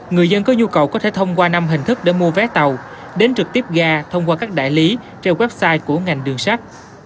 người dân có nhu cầu có thể thông qua năm hình thức để mua vé tàu đến trực tiếp ga thông qua các đại lý trên website của ngành đường sắt